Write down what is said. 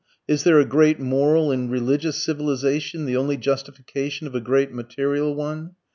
Is there a great moral and religious civilization the only justification of a great material one?